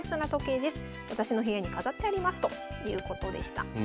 私の部屋に飾ってありますということでした。